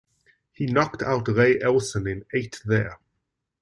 He knocked out Ray Elson in eight there.